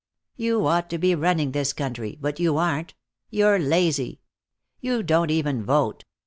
You ought to be running this country, but you aren't. You're lazy. You don't even vote.